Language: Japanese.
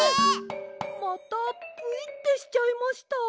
またプイってしちゃいました。